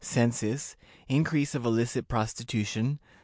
Census. Increase of illicit Prostitution.